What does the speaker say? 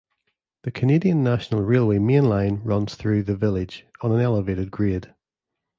The Canadian National Railway main line runs through the village, on an elevated grade.